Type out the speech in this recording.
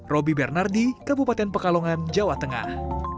roby bernardi kabupaten pekalongan jawa tengah